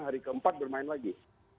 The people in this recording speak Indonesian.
hari keempat bermain lagi